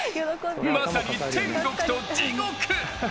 まさに、天国と地獄！